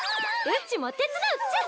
うちも手伝うっちゃ。